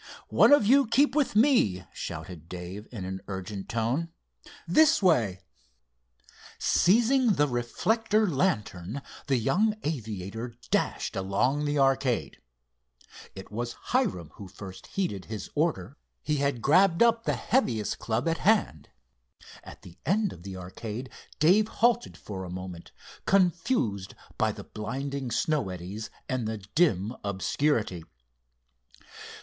"One of you keep with me," shouted Dave, in an urgent tone. "This way!" Seizing the reflector lantern, the young aviator dashed along the arcade. It was Hiram who first heeded his order. He had grabbed up the heaviest club at hand. At the end of the arcade Dave halted for a moment, confused by the blinding snow eddies and the dim obscurity.